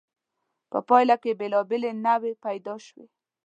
په پایله کې بېلابېلې نوعې پیدا شوې.